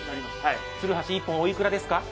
つるはし１本おいくらですか？